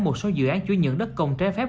một số dự án chuyên nhận đất công trái phép